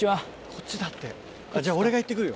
こっちだって俺が行ってくるよ。